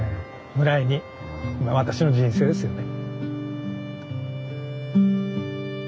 ぐらいに私の人生ですよね。